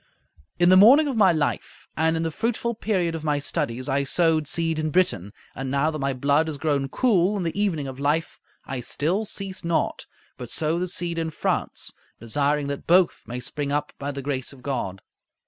In the morning of my life and in the fruitful period of my studies I sowed seed in Britain, and now that my blood has grown cool in the evening of life, I still cease not; but sow the seed in France, desiring that both may spring up by the grace of God.